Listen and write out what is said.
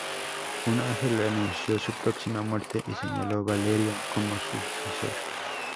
Un ángel le anunció su próxima muerte y señaló Valerio como su sucesor.